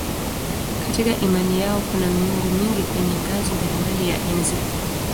Katika imani yao kuna miungu mingi kwenye ngazi mbalimbali ya enzi.